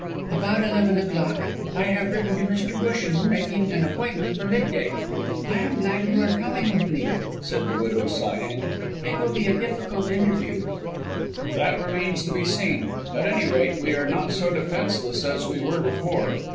"About eleven o'clock. I have written to Mr. Busham making an appointment for mid day. I am glad you are coming with me," said the widow, sighing; "it will be a difficult interview." "That remains to be seen. At any rate, we are not so defenceless as we were before.